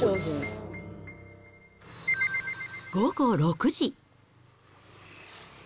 午後６時。